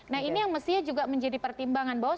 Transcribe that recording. nah ini yang mestinya juga menjadi pertimbangan bahwa